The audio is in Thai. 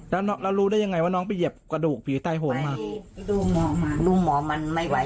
แล้วรู้ได้อย่างไรน้องไปเหยียบกระดูกผีตายโหงมา